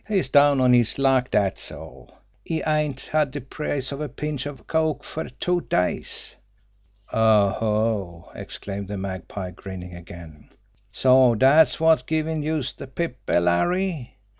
"He's down on his luck, dat's all. He ain't had de price of a pinch of coke fer two days." "Oho!" exclaimed the Magpie, grinning again. "So dat's wot's givin' youse de pip, eh, Larry?